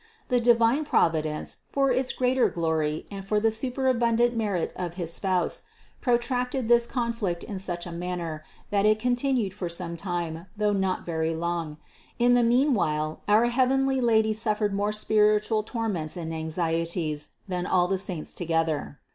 The divine Providence, for its greater glory and for the superabundant merit of his Spouse, protracted this con flict in such a manner, that it continued for some time, though not very long; in the meanwhile our heavenly Lady suffered more spiritual torments and anxieties than all the saints together.